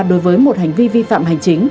đối với một hành vi vi phạm hành chính